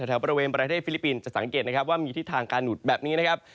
แถวบริเวณประเทศฟิลิปปินส์จะสังเกตนะครับว่ามีทิศทางการหลุดแบบนี้นะครับ